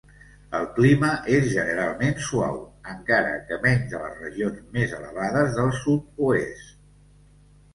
El clima és generalment suau, encara que menys a les regions més elevades del sud-oest.